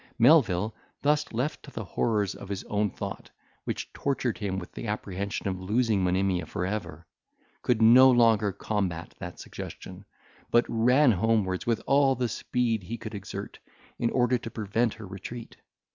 Melvil, thus left to the horrors of his own thought, which tortured him with the apprehension of losing Monimia for ever, could no longer combat that suggestion, but ran homewards with all the speed he could exert, in order to prevent her retreat.